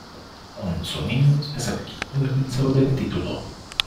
Onze Unidos es el equipo defensor del título.